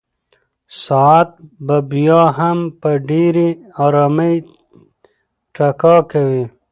ساعت به بیا هم په ډېرې ارامۍ ټکا کوي.